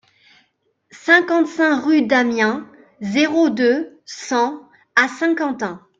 cinquante-cinq rue d'Amiens, zéro deux, cent à Saint-Quentin